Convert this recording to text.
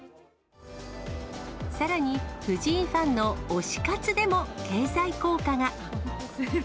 さらに藤井ファンの推し活でも経済効果が。